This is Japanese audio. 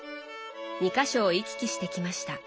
２か所を行き来してきました。